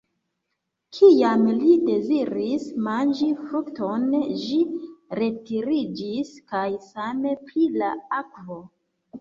Kiam li deziris manĝi frukton, ĝi retiriĝis kaj same pri la akvo.